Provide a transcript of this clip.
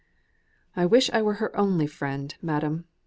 "I wish I were her only friend, madam.